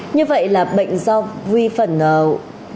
như vậy là bệnh do whitmore